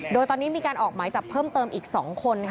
โดยตอนนี้มีการออกหมายจับเพิ่มเติมอีก๒คน